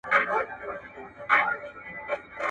پر امبارو و غورځول سي